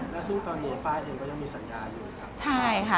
และซึ่งตอนนี้ไฟล์เองก็ยังมีสัญญาอยู่ครับ